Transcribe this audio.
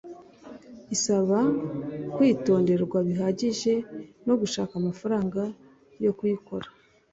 isaba kwitonderwa bihagije no gushaka amafaranga yo kuyikora